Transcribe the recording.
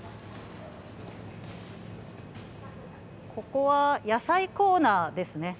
ここは野菜コーナーですね。